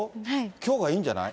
きょうがいいんじゃない？